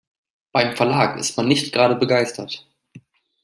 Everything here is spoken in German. Beim Verlag ist man nicht gerade begeistert.